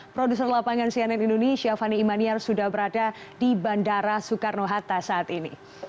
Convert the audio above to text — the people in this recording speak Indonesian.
produser lapangan cnn indonesia fani imaniar sudah berada di bandara soekarno hatta saat ini